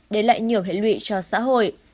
để lại nhiều hệ lụy cho xã hội